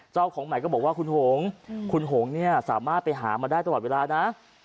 เจ้าของใหม่ก็บอกว่าคุณหงคุณหงเนี่ยสามารถไปหามาได้ตลอดเวลานะ